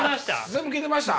全部聞いてました？